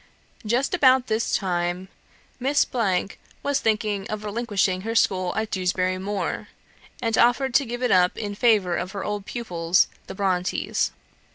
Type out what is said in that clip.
Just about this time, Miss W was thinking of relinquishing her school at Dewsbury Moor; and offered to give it up in favour of her old pupils, the Brontes.